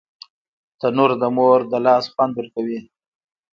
تنور د مور د لاس خوند ورکوي